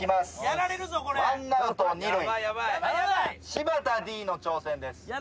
柴田Ｄの挑戦です。